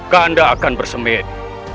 kanda akan bersemih